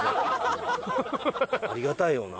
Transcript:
ありがたいよな。